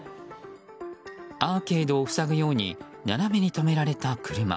アーケードを塞ぐように斜めに止められた車。